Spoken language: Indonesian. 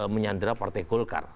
menyandera partai golkar